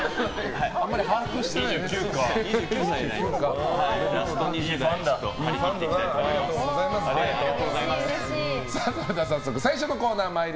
あんまり把握してないのね。